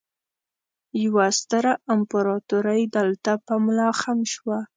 يوه ستره امپراتورۍ دلته په ملا خم شوه